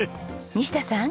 西田さん。